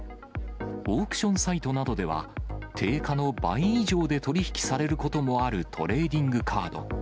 オークションサイトなどでは、定価の倍以上で取り引きされることもあるトレーディングカード。